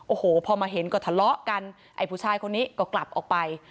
โอ้โหพอมาเห็นก็ทะเลาะกันไอ้ผู้ชายคนนี้ก็กลับออกไป